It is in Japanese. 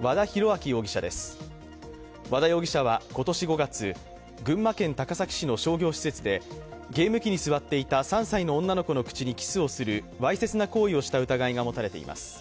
和田容疑者は今年５月、群馬県高崎市の商業施設でゲーム機に座っていた３歳の女の子の口にキスをするわいせつな行為をした疑いが持たれています。